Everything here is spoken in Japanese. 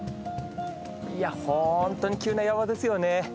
いや本当に急な山ですよね。